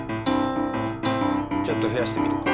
ちょっと増やしてみるか。